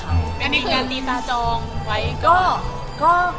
อันที่ไม่จริง